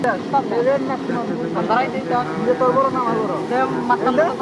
চার চোখের মিলন ঘটলে ইউহাওয়া হাত বিদায়ের ভঙ্গিতে হাত নাড়ায়।